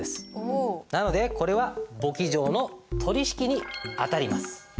なのでこれは簿記上の取引に当たります。